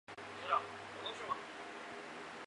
正体中文版由台湾角川发行。